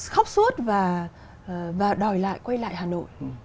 khóc suốt và đòi lại quay lại hà nội